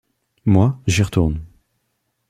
Moi, j’y retourne.